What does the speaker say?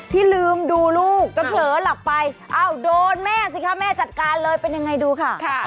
ที่ลืมดูลูกเกลือหลักไปโดนแม่สิค่ะแม่จัดการเลยเป็นอย่างไรดูค่ะ